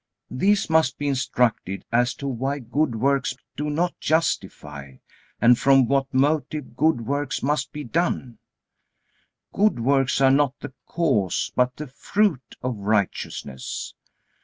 These must be instructed as to why good works do not justify, and from what motives good works must be done. Good works are not the cause, but the fruit of righteousness.